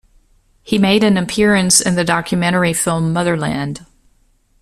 He made an appearance in the documentary film "Motherland".